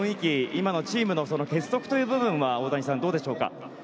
今のチームの結束という部分は大谷さん、どうでしょうか。